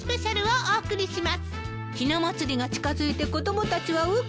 ひな祭りが近づいて子供たちはウキウキ。